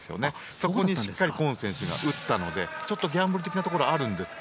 そこにしっかりコン選手が打ったのでギャンブル的なところはあるんですが、